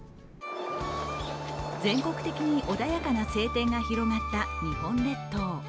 全国的に穏やかな晴天が広がった日本列島。